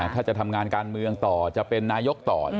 ถ้าจะทำงานการเมืองต่อจะเป็นนายกต่อ